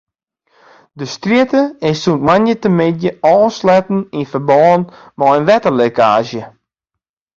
De strjitte is sûnt moandeitemiddei ôfsletten yn ferbân mei in wetterlekkaazje.